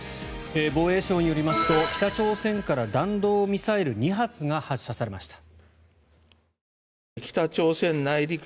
防衛省によりますと北朝鮮から弾道ミサイル２発が発射されました。